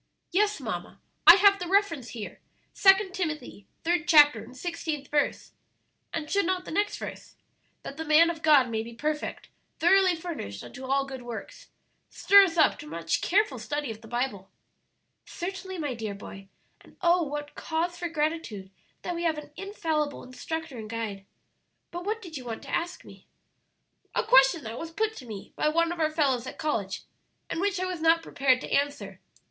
"Yes, mamma, I have the reference here; Second Timothy, third chapter, and sixteenth verse. And should not the next verse, 'That the man of God may be perfect, thoroughly furnished unto all good works,' stir us up to much careful study of the Bible?" "Certainly, my dear boy; and, oh what cause for gratitude that we have an infallible instructor and guide! But what did you want to ask me?" "A question that was put to me by one of our fellows at college, and which I was not prepared to answer.